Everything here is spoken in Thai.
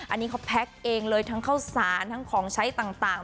อันนี้เขาแพ็คเองเลยทั้งข้าวสารทั้งของใช้ต่าง